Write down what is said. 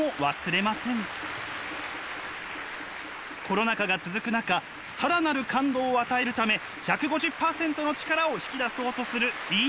コロナ禍が続く中更なる感動を与えるため１５０％の力を引き出そうとする飯森さんの挑戦は続きます。